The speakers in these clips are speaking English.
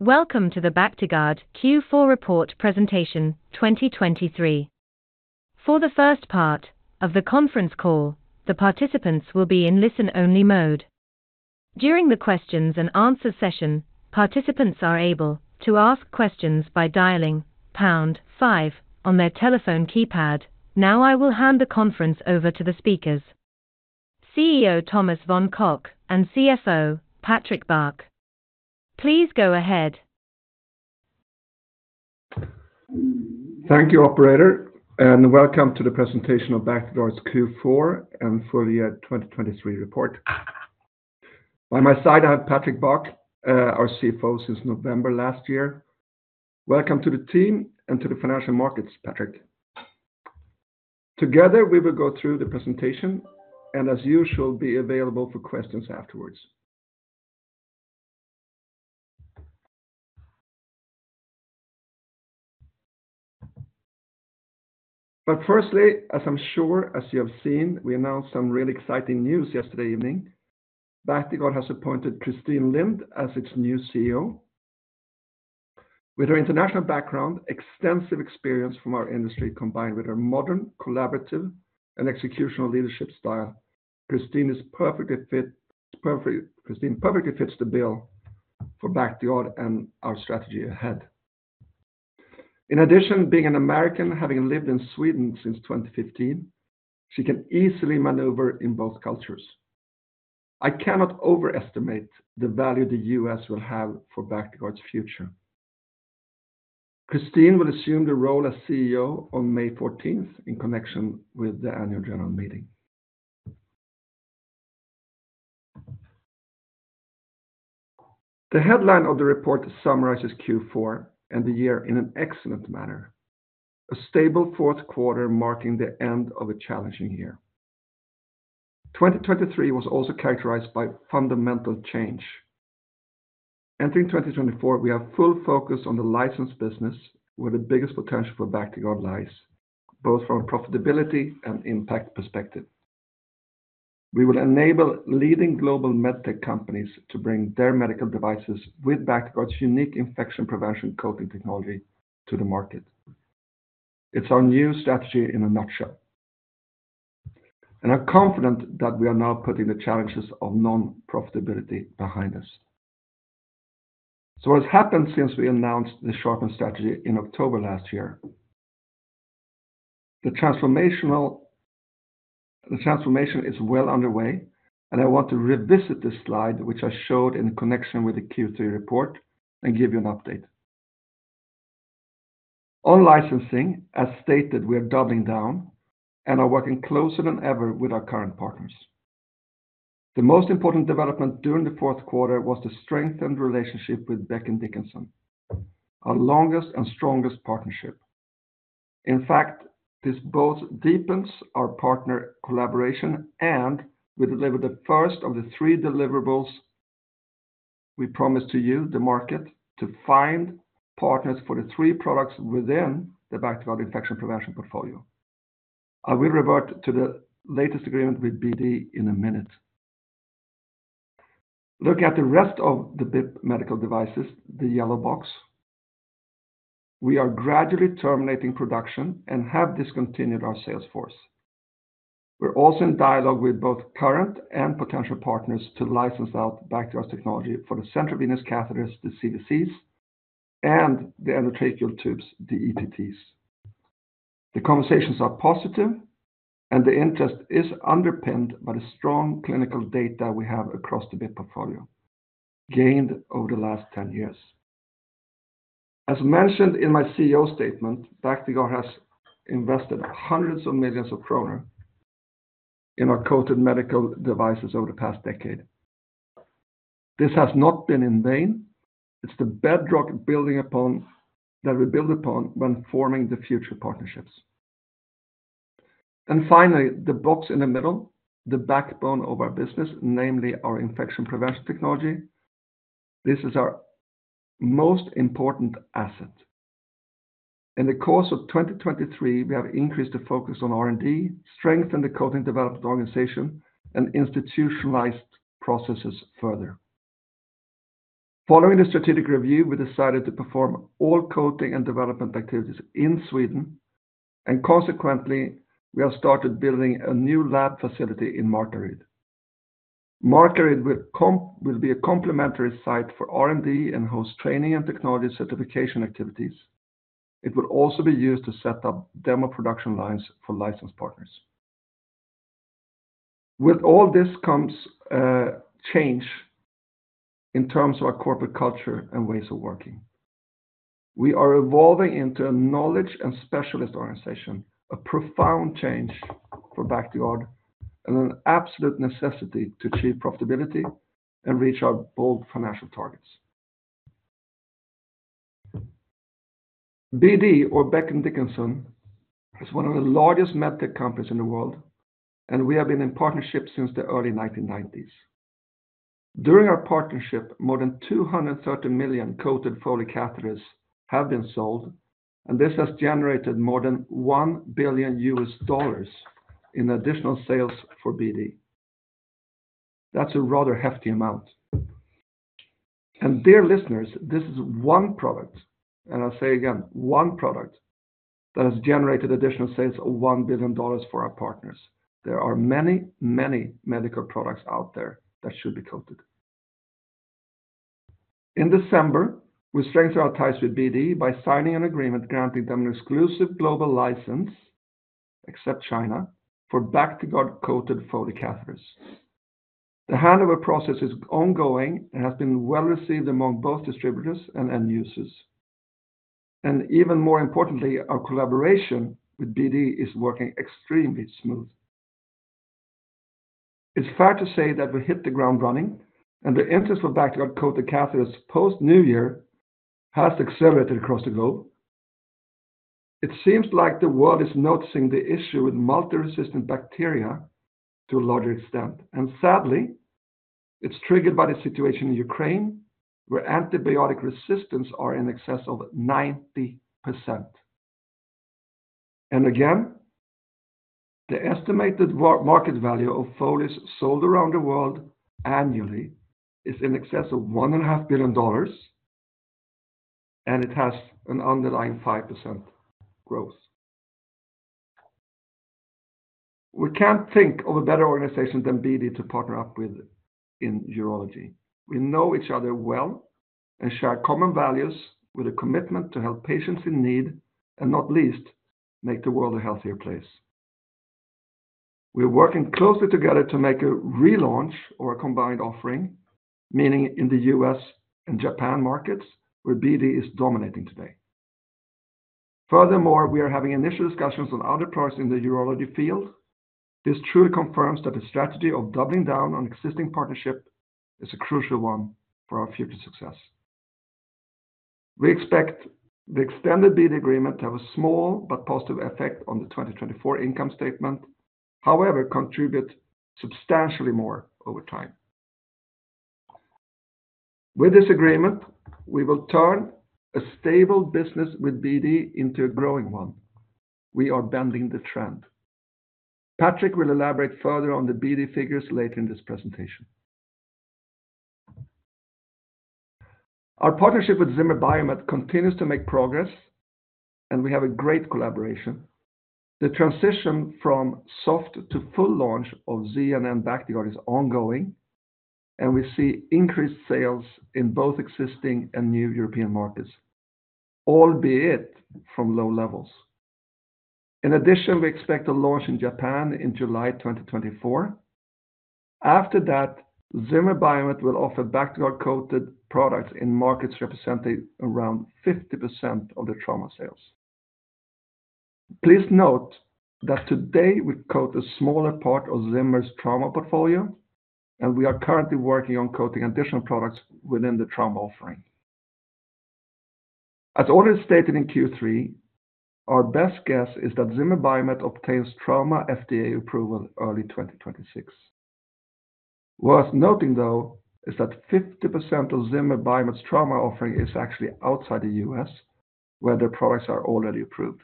Welcome to the Bactiguard Q4 Report Presentation 2023. For the first part of the conference call, the participants will be in listen-only mode. During the questions and answer session, participants are able to ask questions by dialing pound five on their telephone keypad. Now, I will hand the conference over to the speakers, CEO Thomas von Koch and CFO Patrick Bach. Please go ahead. Thank you, operator, and welcome to the presentation of Bactiguard's Q4 and Full Year 2023 Report. By my side, I have Patrick Bach, our CFO since November last year. Welcome to the team and to the financial markets, Patrick. Together, we will go through the presentation and as usual, be available for questions afterwards. But firstly, as I'm sure as you have seen, we announced some really exciting news yesterday evening. Bactiguard has appointed Christine Lind as its new CEO. With her international background, extensive experience from our industry, combined with her modern, collaborative, and executional leadership style, Christine is perfectly fit, perfect. Christine perfectly fits the bill for Bactiguard and our strategy ahead. In addition, being an American, having lived in Sweden since 2015, she can easily maneuver in both cultures. I cannot overestimate the value the U.S. will have for Bactiguard's future. Christine will assume the role as CEO on May 14th in connection with the annual general meeting. The headline of the report summarizes Q4 and the year in an excellent manner. A stable fourth quarter, marking the end of a challenging year. 2023 was also characterized by fundamental change. Entering 2024, we have full focus on the license business, where the biggest potential for Bactiguard lies, both from a profitability and impact perspective. We will enable leading global medtech companies to bring their medical devices with Bactiguard's unique infection prevention coating technology to the market. It's our new strategy in a nutshell, and I'm confident that we are now putting the challenges of non-profitability behind us. So what has happened since we announced the sharpened strategy in October last year? The transformational... The transformation is well underway, and I want to revisit this slide, which I showed in connection with the Q3 report, and give you an update. On licensing, as stated, we are doubling down and are working closer than ever with our current partners. The most important development during the fourth quarter was the strengthened relationship with Becton Dickinson, our longest and strongest partnership. In fact, this both deepens our partner collaboration, and we delivered the first of the three deliverables we promised to you, the market, to find partners for the three products within the Bactiguard infection prevention portfolio. I will revert to the latest agreement with BD in a minute. Looking at the rest of the BIP medical devices, the yellow box, we are gradually terminating production and have discontinued our sales force. We're also in dialogue with both current and potential partners to license out Bactiguard's technology for the central venous catheters, the CVCs, and the endotracheal tubes, the ETTs. The conversations are positive, and the interest is underpinned by the strong clinical data we have across the BIP portfolio, gained over the last 10 years. As mentioned in my CEO statement, Bactiguard has invested hundreds of millions of kronor in our coated medical devices over the past decade. This has not been in vain. It's the bedrock building upon that we build upon when forming the future partnerships. And finally, the box in the middle, the backbone of our business, namely our infection prevention technology. This is our most important asset. In the course of 2023, we have increased the focus on R&D, strengthened the coating development organization, and institutionalized processes further. Following the strategic review, we decided to perform all coating and development activities in Sweden, and consequently, we have started building a new lab facility in Markaryd. Markaryd will be a complementary site for R&D and host training and technology certification activities. It will also be used to set up demo production lines for license partners. With all this comes change in terms of our corporate culture and ways of working. We are evolving into a knowledge and specialist organization, a profound change for Bactiguard, and an absolute necessity to achieve profitability and reach our bold financial targets. BD, or Becton Dickinson, is one of the largest medtech companies in the world, and we have been in partnership since the early 1990s. During our partnership, more than 230 million coated Foley catheters have been sold, and this has generated more than $1 billion in additional sales for BD. That's a rather hefty amount. And dear listeners, this is one product, and I'll say again, one product, that has generated additional sales of $1 billion for our partners. There are many, many medical products out there that should be coated. In December, we strengthened our ties with BD by signing an agreement granting them an exclusive global license, except China, for Bactiguard-coated Foley catheters. The handover process is ongoing and has been well-received among both distributors and end users. And even more importantly, our collaboration with BD is working extremely smooth. It's fair to say that we hit the ground running, and the interest for Bactiguard-coated catheters post New Year has accelerated across the globe. It seems like the world is noticing the issue with multi-resistant bacteria to a larger extent, and sadly, it's triggered by the situation in Ukraine, where antibiotic resistance are in excess of 90%. And again, the estimated market value of Foleys sold around the world annually is in excess of $1.5 billion, and it has an underlying 5% growth. We can't think of a better organization than BD to partner up with in urology. We know each other well and share common values with a commitment to help patients in need, and not least, make the world a healthier place. We're working closely together to make a relaunch or a combined offering, meaning in the U.S. and Japan markets, where BD is dominating today. Furthermore, we are having initial discussions on other products in the urology field. This truly confirms that the strategy of doubling down on existing partnership is a crucial one for our future success. We expect the extended BD agreement to have a small but positive effect on the 2024 income statement, however, contribute substantially more over time. With this agreement, we will turn a stable business with BD into a growing one. We are bending the trend. Patrick will elaborate further on the BD figures later in this presentation. Our partnership with Zimmer Biomet continues to make progress, and we have a great collaboration. The transition from soft to full launch of ZNN Bactiguard is ongoing, and we see increased sales in both existing and new European markets, albeit from low levels. In addition, we expect a launch in Japan in July 2024. After that, Zimmer Biomet will offer Bactiguard-coated products in markets representing around 50% of the trauma sales. Please note that today we coat a smaller part of Zimmer's trauma portfolio, and we are currently working on coating additional products within the trauma offering. As already stated in Q3, our best guess is that Zimmer Biomet obtains trauma FDA approval early 2026. Worth noting, though, is that 50% of Zimmer Biomet's trauma offering is actually outside the U.S., where their products are already approved.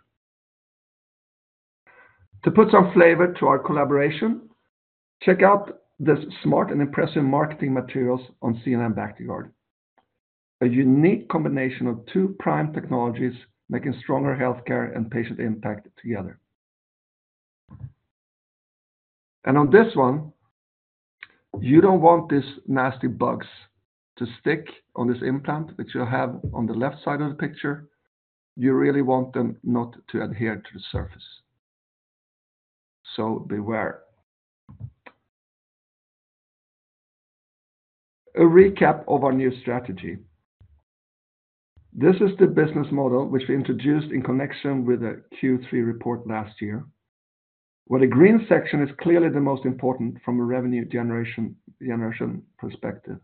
To put some flavor to our collaboration, check out the smart and impressive marketing materials on ZNN Bactiguard, a unique combination of two prime technologies making stronger healthcare and patient impact together. And on this one, you don't want these nasty bugs to stick on this implant, which you have on the left side of the picture. You really want them not to adhere to the surface, so beware. A recap of our new strategy. This is the business model which we introduced in connection with the Q3 report last year, where the green section is clearly the most important from a revenue generation perspective.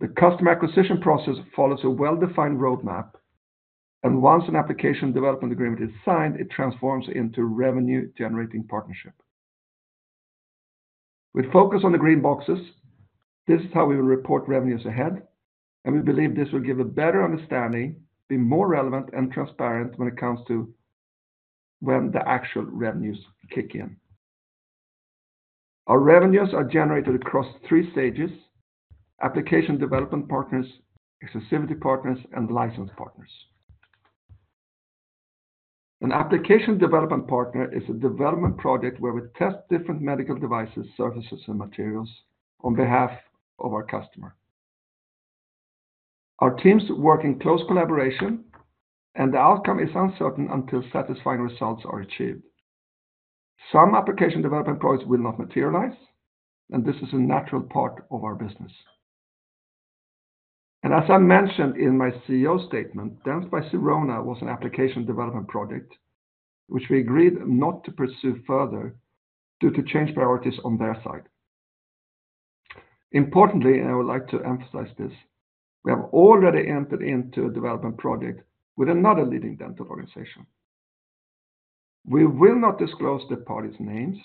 The customer acquisition process follows a well-defined roadmap, and once an application development agreement is signed, it transforms into revenue-generating partnership. We focus on the green boxes. This is how we will report revenues ahead, and we believe this will give a better understanding, be more relevant and transparent when it comes to the actual revenues kick in. Our revenues are generated across three stages: application development partners, exclusivity partners, and license partners. An application development partner is a development project where we test different medical devices, surfaces, and materials on behalf of our customer. Our teams work in close collaboration, and the outcome is uncertain until satisfying results are achieved. Some application development projects will not materialize, and this is a natural part of our business. And as I mentioned in my CEO statement, Dentsply Sirona was an application development project, which we agreed not to pursue further due to changed priorities on their side. Importantly, and I would like to emphasize this, we have already entered into a development project with another leading dental organization. We will not disclose the parties' names.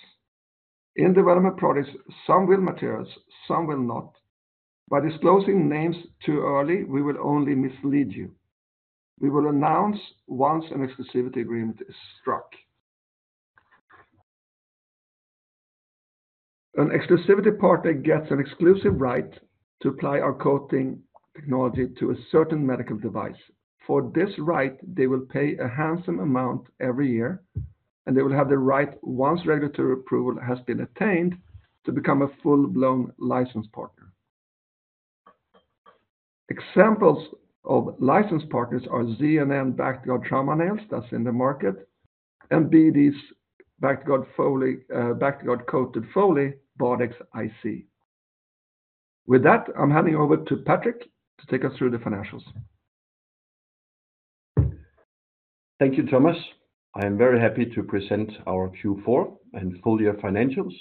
In development projects, some will materialize, some will not. By disclosing names too early, we will only mislead you., we will announce once an exclusivity agreement is struck. An exclusivity partner gets an exclusive right to apply our coating technology to a certain medical device. For this right, they will pay a handsome amount every year, and they will have the right, once regulatory approval has been attained, to become a full-blown licensed partner. Examples of licensed partners are ZNN Bactiguard Trauma Nails that's in the market, and BD's Bactiguard Foley, Bactiguard-coated Foley, Bardex I.C.. With that, I'm handing over to Patrick to take us through the financials. Thank you, Thomas. I am very happy to present our Q4 and full year financials,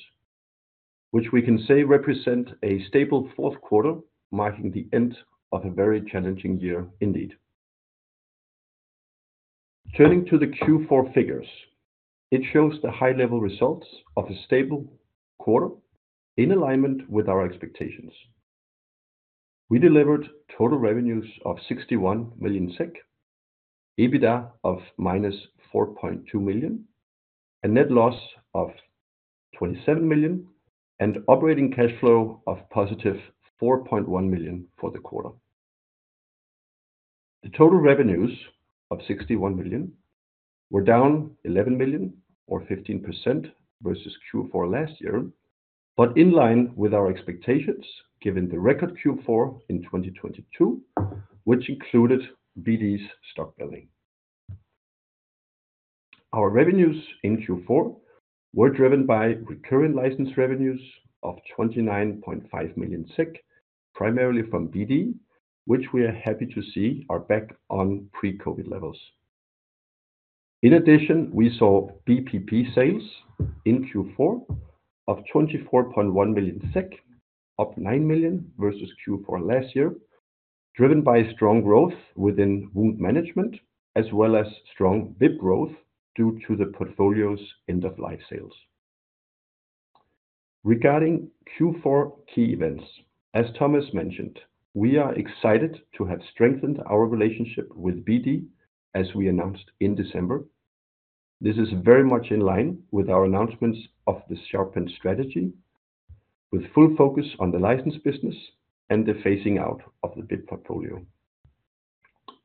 which we can say represent a stable fourth quarter, marking the end of a very challenging year indeed. Turning to the Q4 figures, it shows the high-level results of a stable quarter in alignment with our expectations. We delivered total revenues of 61 million SEK, EBITDA of -4.2 million, a net loss of 27 million, and operating cash flow of +4.1 million for the quarter. The total revenues of 61 million were down 11 million or 15% versus Q4 last year, but in line with our expectations, given the record Q4 in 2022, which included BD's stock building. Our revenues in Q4 were driven by recurring license revenues of 29.5 million, primarily from BD, which we are happy to see are back on pre-COVID levels. In addition, we saw BPP sales in Q4 of 24.1 million SEK, up 9 million versus Q4 last year, driven by strong growth within wound management, as well as strong BIP growth due to the portfolio's end-of-life sales. Regarding Q4 key events, as Thomas mentioned, we are excited to have strengthened our relationship with BD, as we announced in December. This is very much in line with our announcements of the sharpened strategy, with full focus on the license business and the phasing out of the BIP portfolio.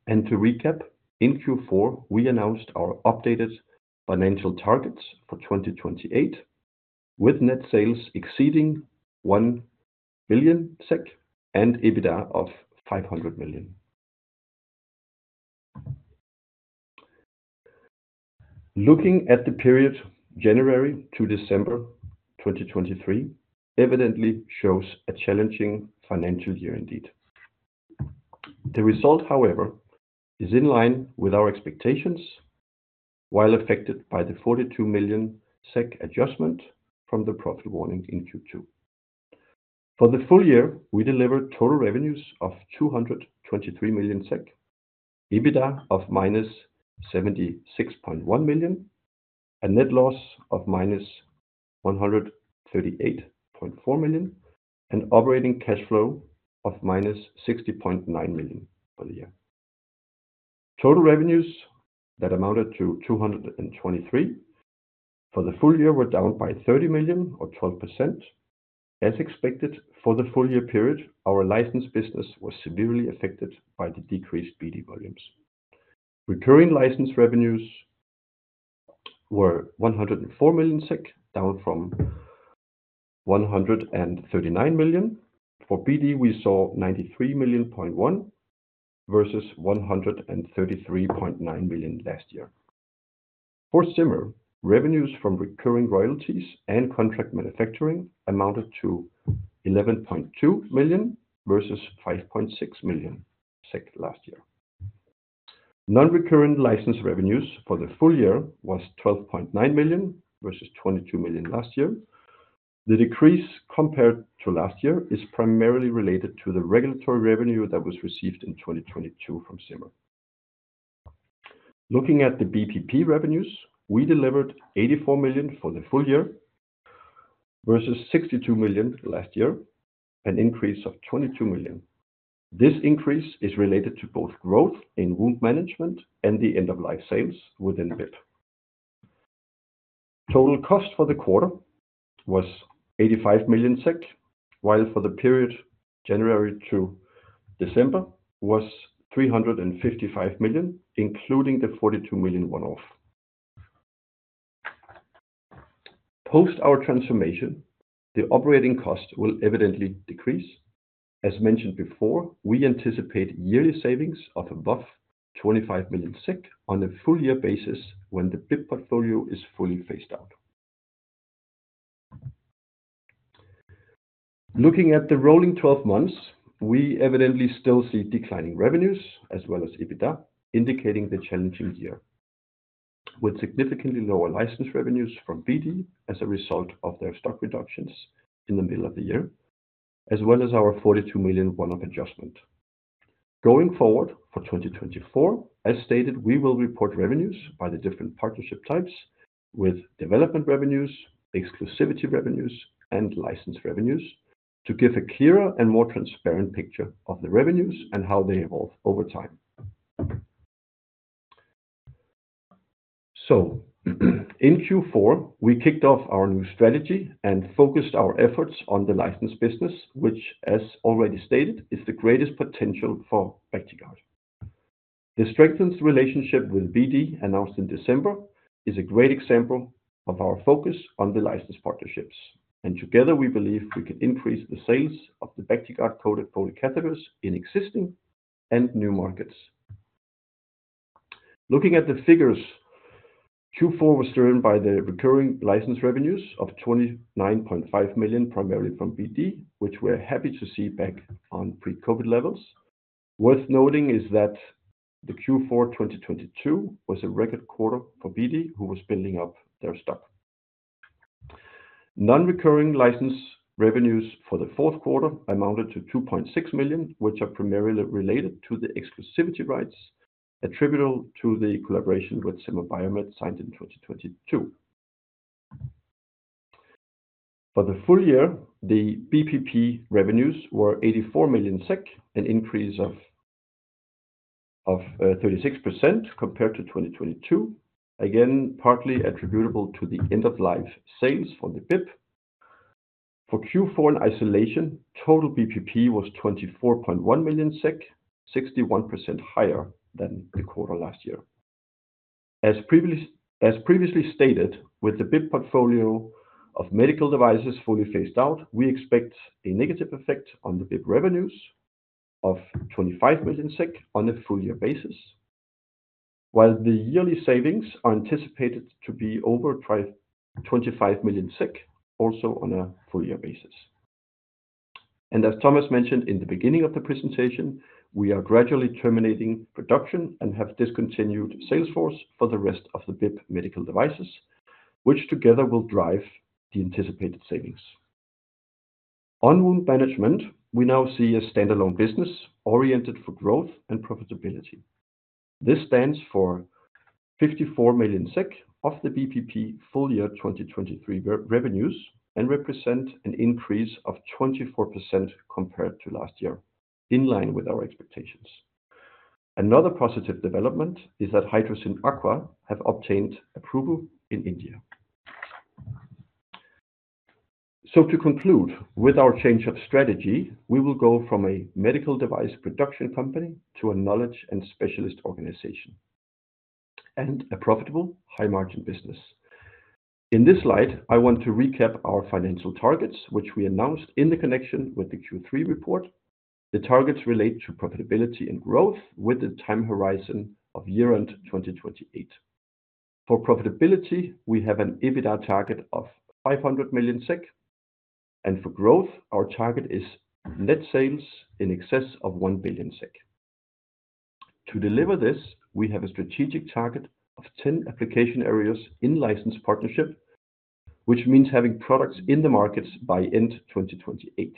To recap, in Q4, we announced our updated financial targets for 2028, with net sales exceeding 1 billion SEK and EBITDA of 500 million. Looking at the period January to December 2023 evidently shows a challenging financial year indeed. The result, however, is in line with our expectations, while affected by the 42 million SEK adjustment from the profit warning in Q2. For the full year, we delivered total revenues of 223 million SEK, EBITDA of -76.1 million, a net loss of -138.4 million, and operating cash flow of -60.9 million for the year. Total revenues that amounted to 223 million for the full year were down by 30 million or 12%. As expected, for the full year period, our license business was severely affected by the decreased BD volumes. Recurring license revenues were 104 million SEK, down from 139 million. For BD, we saw 93.1 million versus 133.9 million last year. For Zimmer, revenues from recurring royalties and contract manufacturing amounted to 11.2 million versus 5.6 million last year. Non-recurring license revenues for the full year was 12.9 million versus 22 million last year. The decrease compared to last year is primarily related to the regulatory revenue that was received in 2022 from Zimmer. Looking at the BPP revenues, we delivered 84 million for the full year versus 62 million last year, an increase of 22 million. This increase is related to both growth in wound management and the end-of-life sales within BIP. Total cost for the quarter was 85 million SEK, while for the period January to December was 355 million, including the 42 million one-off. Post our transformation, the operating cost will evidently decrease. As mentioned before, we anticipate yearly savings of above 25 million SEK on a full year basis when the BIP portfolio is fully phased out. Looking at the rolling 12 months, we evidently still see declining revenues as well as EBITDA, indicating the challenging year, with significantly lower license revenues from BD as a result of their stock reductions in the middle of the year, as well as our 42 million one-off adjustment. Going forward for 2024, as stated, we will report revenues by the different partnership types with development revenues, exclusivity revenues, and license revenues to give a clearer and more transparent picture of the revenues and how they evolve over time. So in Q4, we kicked off our new strategy and focused our efforts on the license business, which, as already stated, is the greatest potential for Bactiguard. The strengthened relationship with BD, announced in December, is a great example of our focus on the license partnerships, and together we believe we can increase the sales of the Bactiguard-coated Foley catheters in existing and new markets. Looking at the figures, Q4 was driven by the recurring license revenues of 29.5 million, primarily from BD, which we're happy to see back on pre-COVID levels. Worth noting is that the Q4 of 2022 was a record quarter for BD, who was building up their stock. Non-recurring license revenues for the fourth quarter amounted to 2.6 million, which are primarily related to the exclusivity rights attributable to the collaboration with Zimmer Biomet, signed in 2022. For the full year, the BPP revenues were 84 million SEK, an increase of 36% compared to 2022. Again, partly attributable to the end-of-life sales from the BIP. For Q4, in isolation, total BPP was 24.1 million SEK, 61% higher than the quarter last year. As previously stated, with the BIP portfolio of medical devices fully phased out, we expect a negative effect on the BIP revenues of 25 million SEK on a full-year basis, while the yearly savings are anticipated to be over 25 million, also on a full-year basis. And as Thomas mentioned in the beginning of the presentation, we are gradually terminating production and have discontinued sales force for the rest of the BIP medical devices, which together will drive the anticipated savings. On wound management, we now see a standalone business oriented for growth and profitability. This stands for 54 million SEK of the BPP full year 2023 revenues and represent an increase of 24% compared to last year, in line with our expectations. Another positive development is that HYDROCYN aqua have obtained approval in India. So to conclude, with our change of strategy, we will go from a medical device production company to a knowledge and specialist organization, and a profitable high-margin business. In this slide, I want to recap our financial targets, which we announced in the connection with the Q3 report. The targets relate to profitability and growth with the time horizon of year-end 2028. For profitability, we have an EBITDA target of 500 million SEK, and for growth, our target is net sales in excess of 1 billion SEK. To deliver this, we have a strategic target of 10 application areas in license partnership, which means having products in the markets by end 2028.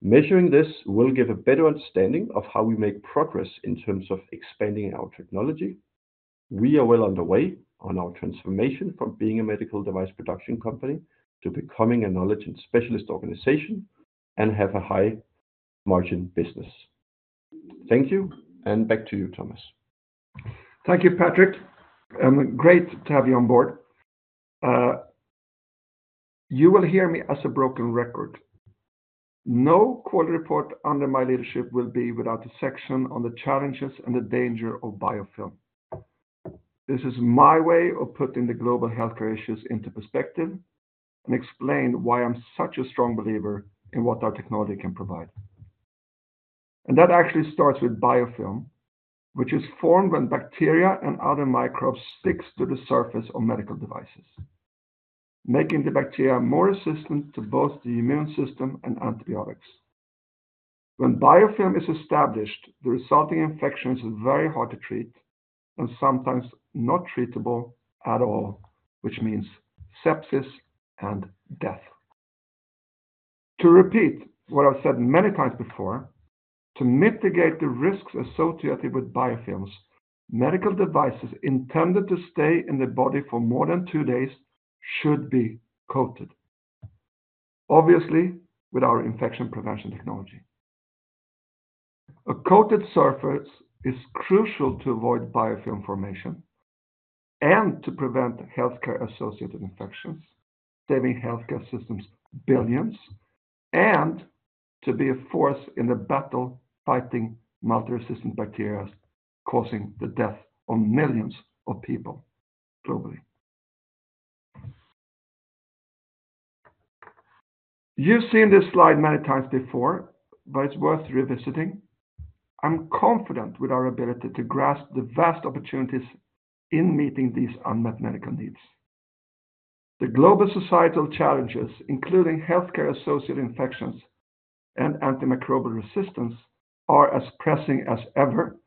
Measuring this will give a better understanding of how we make progress in terms of expanding our technology. We are well underway on our transformation from being a medical device production company to becoming a knowledge and specialist organization, and have a high-margin business. Thank you, and back to you, Thomas. Thank you, Patrick, great to have you on board. You will hear me as a broken record. No quality report under my leadership will be without a section on the challenges and the danger of biofilm. This is my way of putting the global healthcare issues into perspective and explain why I'm such a strong believer in what our technology can provide. And that actually starts with biofilm, which is formed when bacteria and other microbes sticks to the surface of medical devices, making the bacteria more resistant to both the immune system and antibiotics. When biofilm is established, the resulting infection is very hard to treat and sometimes not treatable at all, which means sepsis and death. To repeat what I've said many times before, to mitigate the risks associated with biofilms, medical devices intended to stay in the body for more than two days should be coated, obviously, with our infection prevention technology. A coated surface is crucial to avoid biofilm formation and to prevent healthcare-associated infections, saving healthcare systems billions, and to be a force in the battle fighting multi-resistant bacteria, causing the death of millions of people globally. You've seen this slide many times before, but it's worth revisiting. I'm confident with our ability to grasp the vast opportunities in meeting these unmet medical needs. The global societal challenges, including healthcare-associated infections and antimicrobial resistance, are as pressing as ever,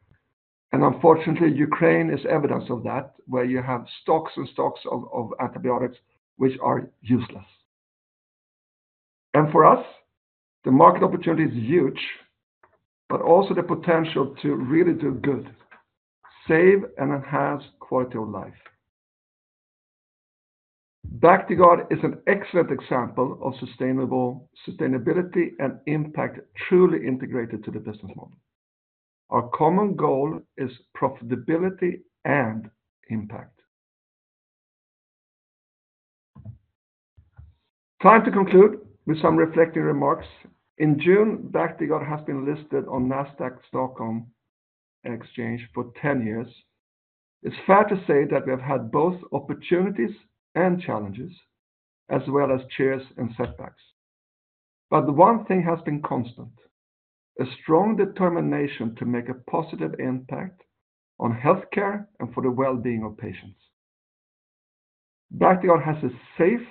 and unfortunately, Ukraine is evidence of that, where you have stocks and stocks of antibiotics which are useless. And for us, the market opportunity is huge, but also the potential to really do good, save, and enhance quality of life. Bactiguard is an excellent example of sustainability and impact truly integrated to the business model. Our common goal is profitability and impact. Time to conclude with some reflecting remarks. In June, Bactiguard has been listed on Nasdaq Stockholm exchange for 10 years. It's fair to say that we have had both opportunities and challenges, as well as cheers and setbacks. But one thing has been constant, a strong determination to make a positive impact on healthcare and for the well-being of patients. Bactiguard has a safe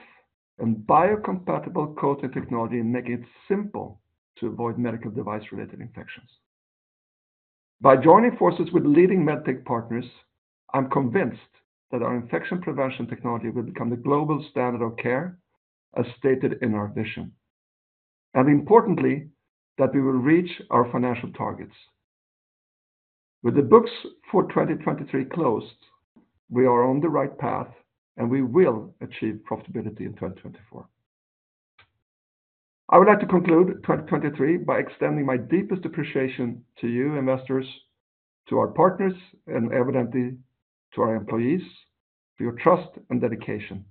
and biocompatible coating technology, making it simple to avoid medical device-related infections. By joining forces with leading med tech partners, I'm convinced that our infection prevention technology will become the global standard of care, as stated in our vision, and importantly, that we will reach our financial targets. With the books for 2023 closed, we are on the right path, and we will achieve profitability in 2024. I would like to conclude 2023 by extending my deepest appreciation to you, investors, to our partners, and evidently to our employees, for your trust and dedication.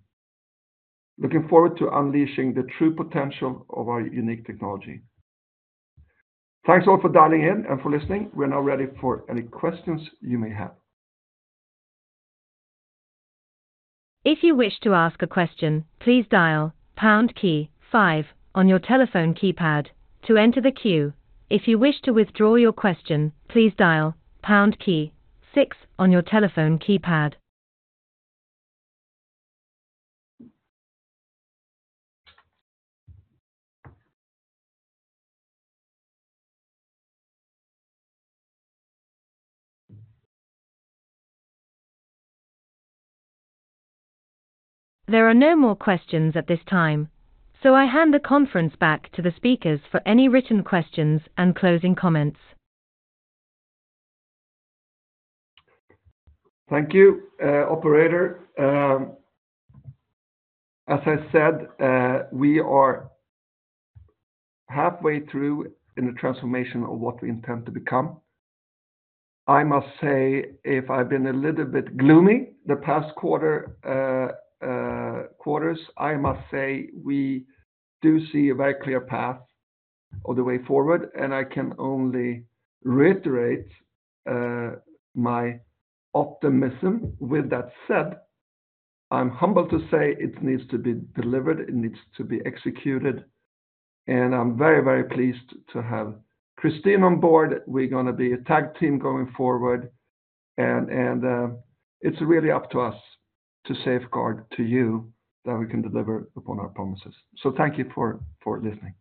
Looking forward to unleashing the true potential of our unique technology. Thanks, all, for dialing in and for listening. We're now ready for any questions you may have. If you wish to ask a question, please dial pound key five on your telephone keypad to enter the queue. If you wish to withdraw your question, please dial pound key six on your telephone keypad. There are no more questions at this time, so I hand the conference back to the speakers for any written questions and closing comments. Thank you, operator. As I said, we are halfway through in the transformation of what we intend to become. I must say, if I've been a little bit gloomy the past quarter, quarters, I must say we do see a very clear path of the way forward, and I can only reiterate my optimism. With that said, I'm humble to say it needs to be delivered, it needs to be executed, and I'm very, very pleased to have Christine on board. We're gonna be a tag team going forward, and, it's really up to us to safeguard to you that we can deliver upon our promises. So thank you for listening.